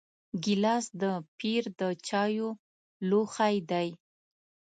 ګیلاس د پیر د چایو لوښی دی.